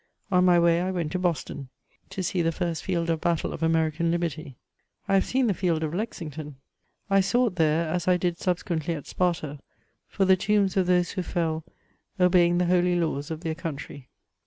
On my way I went to Boston, to see the first field of battle of Amencan Liberty. I have seen the field of Lexington ! I sought there, as I did subsequently at Sparta, for the tombs of those who fell — obeying the holy laws rf their country.